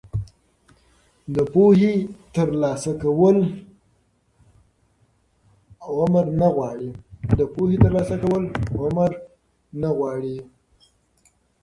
د پوهې ترلاسه کول عمر نه غواړي.